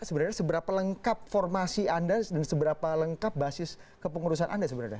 sebenarnya seberapa lengkap formasi anda dan seberapa lengkap basis kepengurusan anda sebenarnya